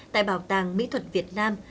tại bảo tàng mỹ thuật việt nam